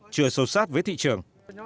chưa sâu sát với thị trường